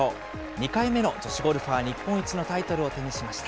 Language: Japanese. ２回目の女子ゴルファー日本一のタイトルを手にしました。